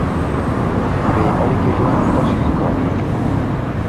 بېاړیکې ژوند تش ښکاري.